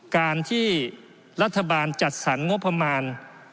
การที่รัฐบาลจัดสรรงบประมาณ